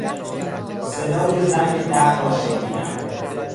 صدای زنگ در را شنیدم.